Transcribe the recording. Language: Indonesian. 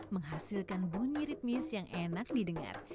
menghasilkan bunyi ritmis yang enak didengar